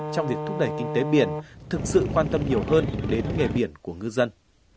trong việc thúc đẩy kinh tế biển thực sự quan tâm nhiều hơn đến nghề biển của ngư dân